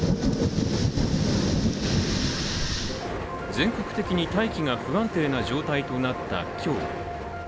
全国的に大気が不安定な状態となった今日。